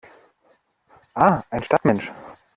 Ah, ein Stadtmensch!